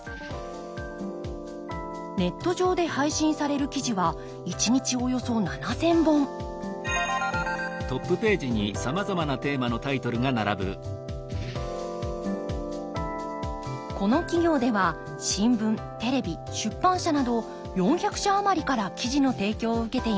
ネット上で配信される記事は一日およそ７，０００本この企業では新聞テレビ出版社など４００社余りから記事の提供を受けています。